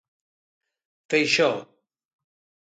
Feixóo.